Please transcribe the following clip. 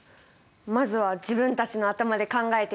まずは自分たちの頭で考えてみる。